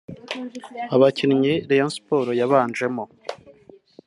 Abakinnyi Rayon Sports yabanjemo